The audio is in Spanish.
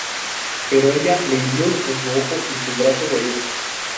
Pero ella, le hirió en su ojo y su brazo derechos.